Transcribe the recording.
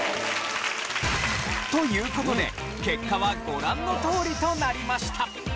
という事で結果はご覧のとおりとなりました。